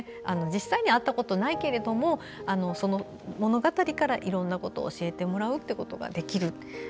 実際に会ったことはないけれどもその物語から、いろんなことを教えてもらうことができる。